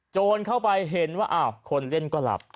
โจรเข้าไปเห็นว่าอ้าวคนเล่นก็หลับ